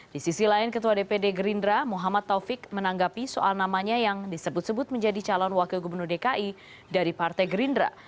di sisi lain ketua dpd gerindra muhammad taufik menanggapi soal namanya yang disebut sebut menjadi calon wakil gubernur dki dari partai gerindra